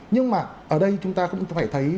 nhưng mà ở đây chúng ta cũng phải thấy